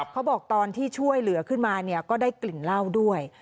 เขาบอกตอนที่ช่วยเหลือขึ้นมาเนี่ยก็ได้กลิ่นเหล้าด้วย